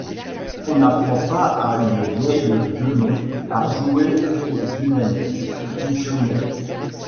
On n’apprend pas à une vieille guenon à jouer aux humaines, pichounet.